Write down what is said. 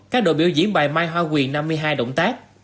các đội biểu diễn bài mai hoa quyền năm mươi hai động tác